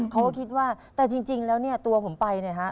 เขาก็คิดว่าแต่จริงแล้วเนี่ยตัวผมไปเนี่ยฮะ